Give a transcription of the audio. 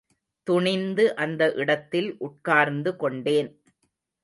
துணிந்து அந்த இடத்தில் உட்கார்ந்து கொண்டேன்.